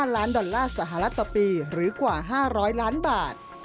ล้านดอลลาร์สหรัฐต่อปีหรือกว่า๕๐๐ล้านบาท